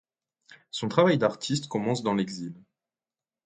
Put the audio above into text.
Son travail d'artiste commence dans l'exil.